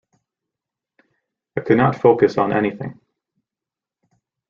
I could not focus on anything.